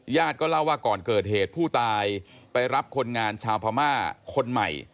ก็เล่าว่าก่อนเกิดเหตุผู้ตายไปรับคนงานชาวพม่าคนใหม่